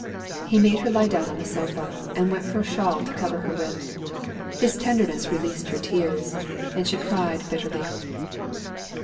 He made her lie down on the sofa, and went for a shawl to cover her with. His tenderness released her tears; and she cried bitterly.